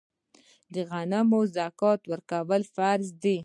د غنمو زکات ورکول فرض دي.